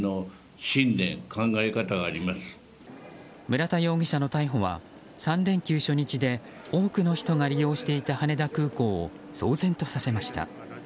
村田容疑者の逮捕は３連休初日で多くの人が利用していた羽田空港を騒然とさせました。